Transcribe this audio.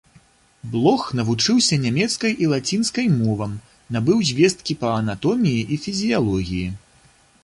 Блох навучыўся нямецкай і лацінскай мовам, набыў звесткі па анатоміі і фізіялогіі.